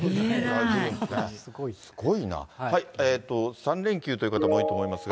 ３連休という方も多いと思いますが。